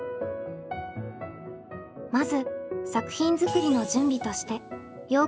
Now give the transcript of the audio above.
まず作品作りの準備としてよう